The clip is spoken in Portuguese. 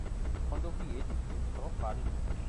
Quando eu vi ele, ele estava pálido.